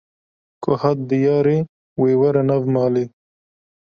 Ku hat diyarê, wê were nav malê